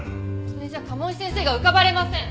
それじゃ賀茂井先生が浮かばれません！